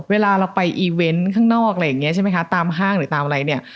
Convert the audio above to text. เวลาเราไปอีเว้นต์ข้างนอกตามห้างหรือตามอะไรเนี่ย